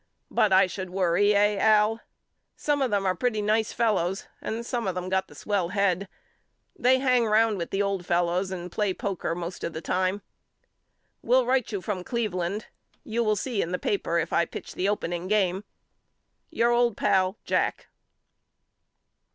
But I should worry eh Al? Some of them are pretty nice fellows and some of them got the swell head. They hang round with the old fellows and play poker most of the time. Will write you from Cleveland. You will see in the paper if I pitch the opening game. Your old pal, JACK.